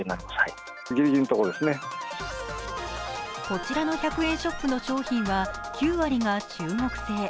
こちらの１００円ショップの商品は９割が中国製。